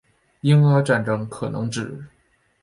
英阿战争可能指